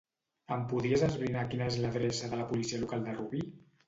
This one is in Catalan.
Em podries esbrinar quina és l'adreça de la policia local de Rubí?